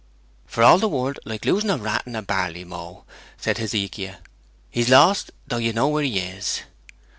'For all the world like losing a rat in a barley mow,' said Hezekiah. 'He's lost, though you know where he is.'